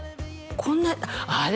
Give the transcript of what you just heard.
こんなにあれ！？